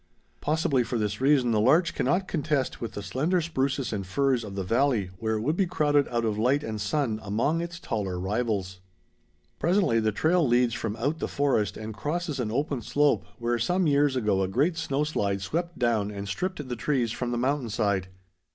Possibly for this reason the larch cannot contest with the slender spruces and firs of the valley, where it would be crowded out of light and sun among its taller rivals. [Illustration: ANEMONES] Presently the trail leads from out the forest and crosses an open slope where some years ago a great snow slide swept down and stripped the trees from the mountain side.